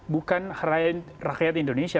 bukan rakyat indonesia